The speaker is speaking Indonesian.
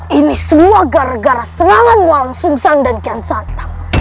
ini semua gara gara senanganmu langsung sang dan kian sakta